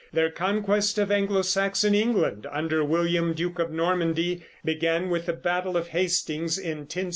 Their conquest of Anglo Saxon England under William, Duke of Normandy, began with the battle of Hastings in 1066.